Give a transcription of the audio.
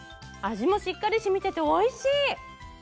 味もしっかり染みてておいしい！